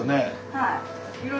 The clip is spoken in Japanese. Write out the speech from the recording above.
はい。